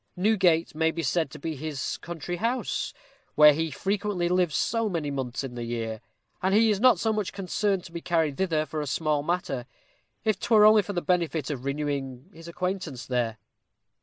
Newgate may be said to be his country house, where he frequently lives so many months in the year; and he is not so much concerned to be carried thither for a small matter, if 'twere only for the benefit of renewing his acquaintance there.